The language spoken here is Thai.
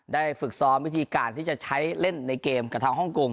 ฝึกซ้อมวิธีการที่จะใช้เล่นในเกมกับทางฮ่องกง